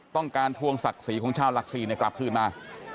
ทวงศักดิ์ศรีของชาวหลักศรีกลับคืนมา